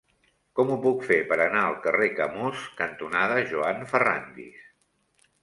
Com ho puc fer per anar al carrer Camós cantonada Joan Ferrándiz?